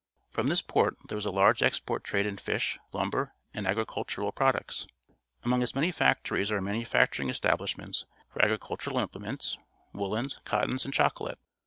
From this port there is a large export trade in fish, lumber ^nd agricultural pro"ducts r Among its many factories are manufacturing establish ments for agricultural implements, \voolIen,s, jcottons, and chocolate.